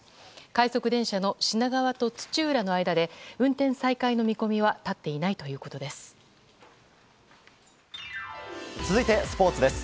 快速電車の品川と土浦の間で運転再開の見込みは立っていないということです。